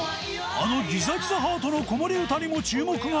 あの『ギザギザハートの子守唄』にも注目が集まり。